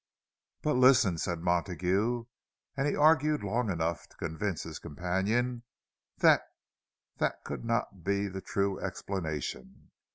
"But listen," said Montague; and he argued long enough to convince his companion that that could not be the true explanation.